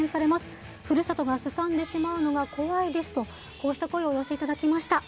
こうした声をお寄せいただきました。